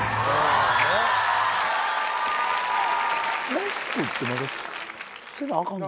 マスクってまだせなアカンの？